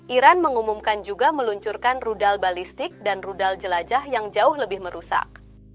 iran mengumumkan juga meluncurkan rudal balistik dan rudal jelajah yang jauh lebih merusak